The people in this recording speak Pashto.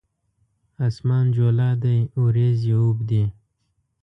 اسمان جولا دی اوریځې اوبدي